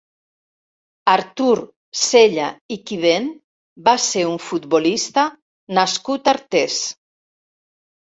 Artur Cella i Quivent va ser un futbolista nascut a Artés.